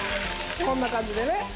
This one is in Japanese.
こんな感じでね。